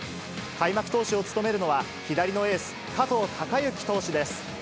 開幕投手を務めるのは、左のエース、加藤貴之投手です。